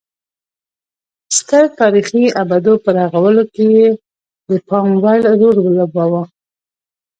ستر تاریخي ابدو په رغولو کې یې د پام وړ رول ولوباوه